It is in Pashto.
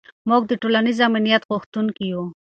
موږ د ټولنیز امنیت غوښتونکي یو.